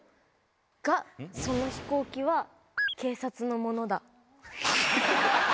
がその飛行機は警察のものだ。